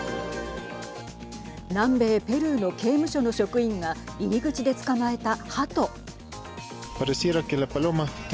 南米ペルーの刑務所の職員が入り口で捕まえた、ハト。